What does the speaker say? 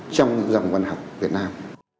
trong dòng văn học việt nam